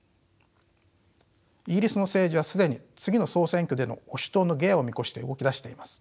イギリスの政治は既に次の総選挙での保守党の下野を見越して動き出しています。